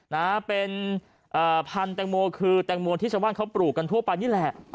นะฮะเป็นเอ่อพันธุ์แตงโมคือแตงโมที่ชาวบ้านเขาปลูกกันทั่วไปนี่แหละ